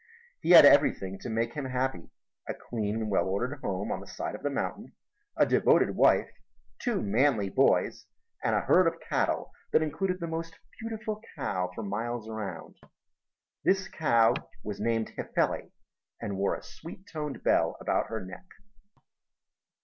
He had everything to make him happy a clean and well ordered home on the side of the mountain, a devoted wife, two manly boys, and a herd of cattle that included the most beautiful cow for miles around. This cow was named Hifeli, and wore a sweet toned bell about her neck.